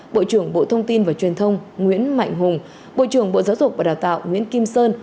bộ trưởng bộ thông tin và truyền thông nguyễn mạnh hùng bộ trưởng bộ giáo dục và đào tạo nguyễn kim sơn